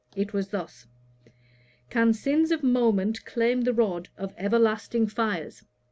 It was thus: 'Can sins of moment claim the rod Of everlasting fires?